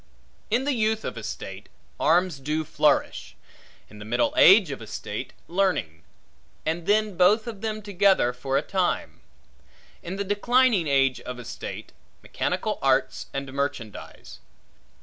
In the youth of a state, arms do flourish; in the middle age of a state, learning; and then both of them together for a time; in the declining age of a state, mechanical arts and merchandize.